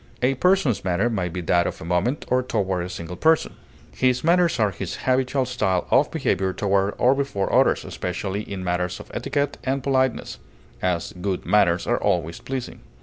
A person's manner may be that of a moment, or toward a single person; his manners are his habitual style of behavior toward or before others, especially in matters of etiquette and politeness; as, good manners are always pleasing.